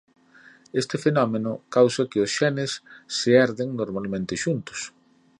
Este fenómeno causa que os xenes se herden normalmente xuntos.